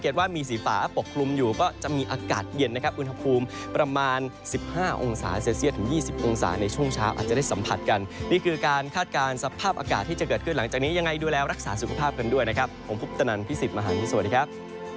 ว่ามีสีฟ้าปกคลุมอยู่ก็จะมีอากาศเย็นนะครับอุณหภูมิประมาณ๑๕องศาเซลเซียสถึง๒๐องศาในช่วงเช้าอาจจะได้สัมผัสกันนี่คือการคาดการณ์สภาพอากาศที่จะเกิดขึ้นหลังจากนี้ยังไงดูแลรักษาสุขภาพกันด้วยนะครับผมคุปตนันพี่สิทธิ์มหันฯสวัสดีครับ